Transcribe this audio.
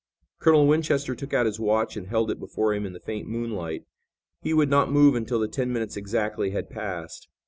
Colonel Winchester took out his watch and held it before him in the faint moonlight. He would not move until the ten minutes exactly had passed.